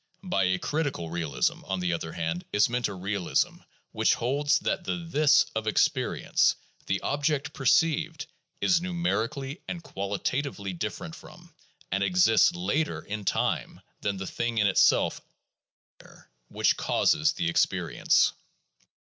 By a critical realism, on the other hand, is meant a realism which holds that the "this" of experience, the object perceived, is numer ically and qualitatively different from, and exists later in time than, the thing in itself "out there" which causes the experience.